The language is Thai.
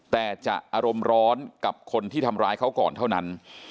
แต่จะอารมณ์ร้อนกับคนที่ทำร้ายเขาก่อนเท่านั้น